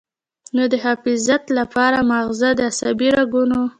نو د حفاظت له پاره مازغۀ د عصبي رګونو